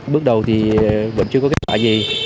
bước đầu vẫn chưa có kết quả gì